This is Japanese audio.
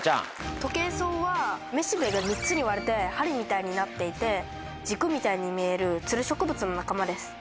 トケイソウはめしべが３つに割れて針みたいになっていて軸みたいに見えるつる植物の仲間です。